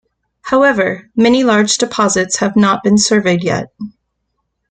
However, many large deposits have not been surveyed yet.